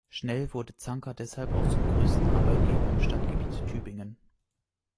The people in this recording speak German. Schnell wurde Zanker deshalb auch zum größten Arbeitgeber im Stadtgebiet Tübingen.